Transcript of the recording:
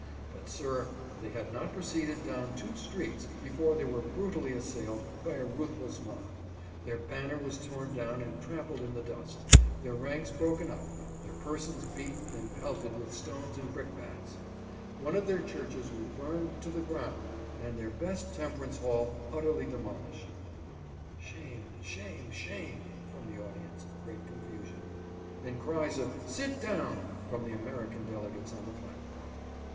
But, sir, they had not proceeded down two streets before they were brutally assailed by a ruthless mob ; their banner was torn down and trampled in the dust, their ranks broken up, their persons beaten and pelted with stones and brickbats. One of their churches was burned FREE CHURCH OF SCOTLAND. 309 to the ground, and their best temperance hall utterly demolished. ['Shame! shame! shame!' from the audience, great confusion, and cries of ' Sit down ' from the American delegates on the platform.